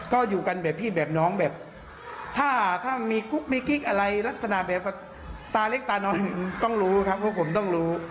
ก็อยู่กันแบบพี่แบบน้องแบบถ้ามีกุ๊กมีกิ๊กอะไรลักษณะแบบตาเล็กตานอนต้องรู้ครับพวกผมต้องรู้